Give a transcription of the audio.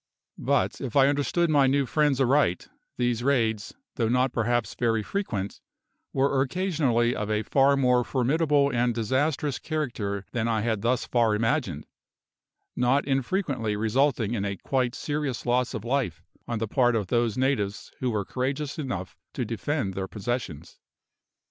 But, if I understood my new friends aright, these raids, though not perhaps very frequent, were occasionally of a far more formidable and disastrous character than I had thus far imagined, not infrequently resulting in a quite serious loss of life on the part of those natives who were courageous enough to defend their possessions.